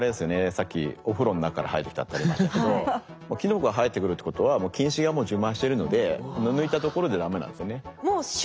さっきお風呂の中から生えてきたってありましたけどキノコが生えてくるってことはもう菌糸が充満してるので抜いたところで駄目なんですよね。